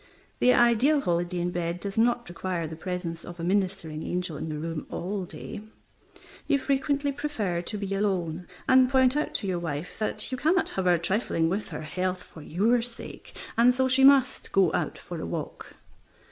The ideal holiday in bed does not require the presence of a ministering angel in the room all day. You frequently prefer to be alone, and point out to your wife that you cannot have her trifling with her health for your sake, and so she must go out for a walk.